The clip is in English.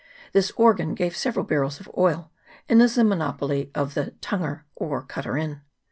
This organ gave several barrels of oil, and is a monopoly of the " tonguer," or " cutter in."